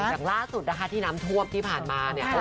อย่างล่าสุดนะคะที่น้ำท่วมที่ผ่านมาเนี่ย